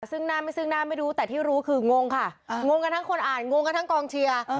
ซึ่งหน้าไม่ซึ่งหน้าไม่รู้แต่ที่รู้คืองงค่ะงงกันทั้งคนอ่านงงกันทั้งกองเชียร์